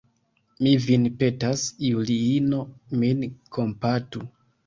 Mi vin petas, Juliino, min kompatu.